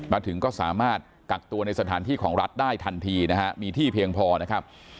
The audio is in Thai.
มาถึงก็สามารถกักตัวในสถานที่ของรัฐได้ทันทีนะฮะมีที่เพียงพอนะครับ